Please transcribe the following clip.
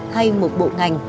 hay một bộ ngành